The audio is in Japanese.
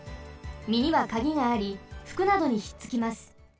みにはカギがありふくなどにひっつきます。